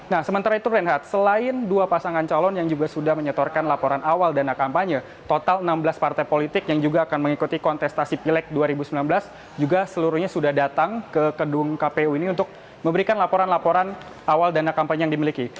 nah sementara itu renhat selain dua pasangan calon yang juga sudah menyetorkan laporan awal dana kampanye total enam belas partai politik yang juga akan mengikuti kontestasi pilek dua ribu sembilan belas juga seluruhnya sudah datang ke gedung kpu ini untuk memberikan laporan laporan awal dana kampanye yang dimiliki